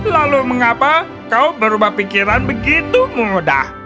lalu mengapa kau berubah pikiran begitu mudah